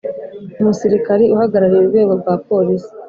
umusirikari uhagarariye urwego rwa Polisi